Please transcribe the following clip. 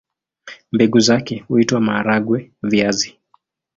Mbegu zake huitwa maharagwe-viazi.